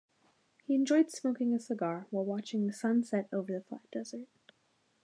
He enjoyed smoking a cigar while watching the sun set over the flat desert.